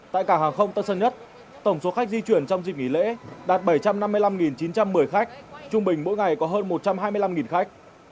tại cảng hàng không tân sơn nhất tổng số khách di chuyển trong dịp nghỉ lễ đạt bảy trăm năm mươi năm chín trăm một mươi khách trung bình mỗi ngày có hơn một trăm hai mươi năm khách